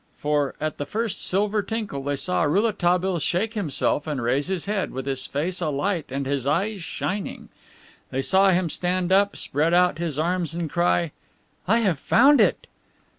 For at the first silver tinkle they saw Rouletabille shake himself, and raise his head, with his face alight and his eyes shining. They saw him stand up, spread out his arms and cry: "I have found it!"